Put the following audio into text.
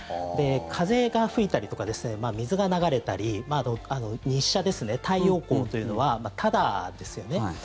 風が吹いたりとかですね水が流れたり日射ですね、太陽光というのはタダですよね。